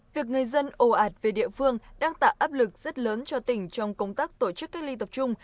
việc người dân ồ ạt về địa phương đang tạo áp lực rất lớn cho tỉnh trong công tác tổ chức cách ly tập trung